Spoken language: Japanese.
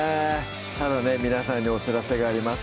ただね皆さんにお知らせがあります